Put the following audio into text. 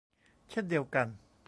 เช่นเดียวกัน